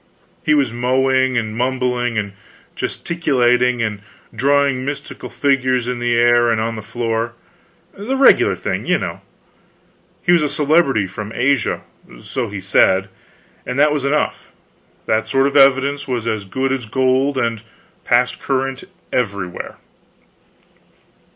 He was mowing, and mumbling, and gesticulating, and drawing mystical figures in the air and on the floor, the regular thing, you know. He was a celebrity from Asia so he said, and that was enough. That sort of evidence was as good as gold, and passed current everywhere.